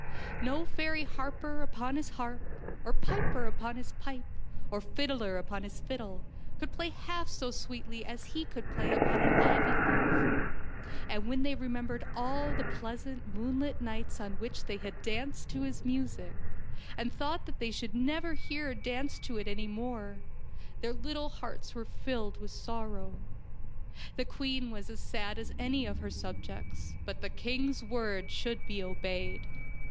No THE FAIRY TREE OF DOOROS 105 fairy harper upon his harp, or piper upon his pipe, or fiddler upon his fiddle, could play half so sweetly as he could play upon an ivy leaf; and when they remembered all the pleasant moonlit nights on which they had danced to his music, and thought that they should never hear or dance to it any more, their little hearts were filled with sorrow. The queen was as sad as any of her subjects, but the king's word should be obeyed.